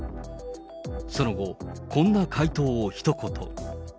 その後、こんな回答をひと言。